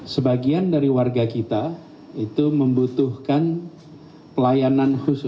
sebagian dari warga kita itu membutuhkan pelayanan khusus